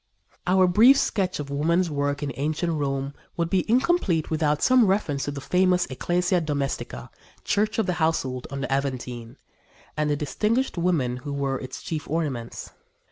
" Our brief sketch of women's work in ancient Rome would be incomplete without some reference to the famous Ecclesia Domestica Church of the Household on the Aventine, and the distinguished women who were its chief ornaments.